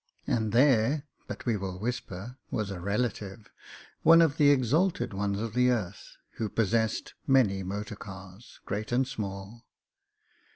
And there — ^but we will whisper — ^was a relative — one of the exalted ones of the earth, who possessed many motor cars, great and small.